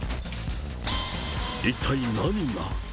一体、何が。